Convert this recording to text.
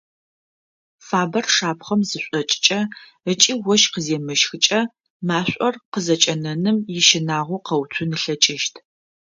Фабэр шапхъэм зышӏокӏыкӏэ ыкӏи ощх къыземыщхыкӏэ машӏор къызэкӏэнэным ищынагъо къэуцун ылъэкӏыщт.